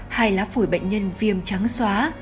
hai lá phủi bệnh nhân viêm trắng xóa